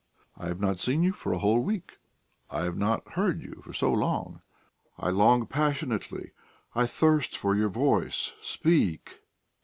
"I have not seen you for a whole week; I have not heard you for so long. I long passionately, I thirst for your voice. Speak."